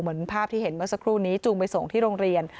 เหมือนภาพที่เห็นเมื่อสักครู่นี้จูงไปส่งที่โรงเรียน